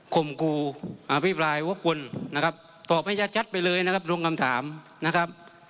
มกูอภิปรายวกวนนะครับตอบให้ชัดไปเลยนะครับลงคำถามนะครับ